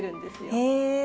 へえ。